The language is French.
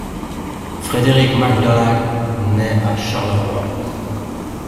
Frédéric Mac Donough nait à Charleroi.